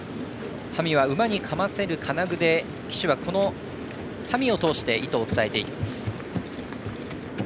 馬銜は馬にかませる金具で、騎手は馬銜を通して意図を伝えていきます。